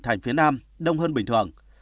thành phía nam đông hơn bình thường